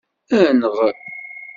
Enɣ!